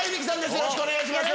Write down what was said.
よろしくお願いします。